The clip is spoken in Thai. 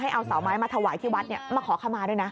เอาเสาไม้มาถวายที่วัดมาขอขมาด้วยนะ